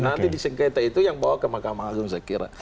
nanti disengketa itu yang bawa ke mahkamah langsung saya kira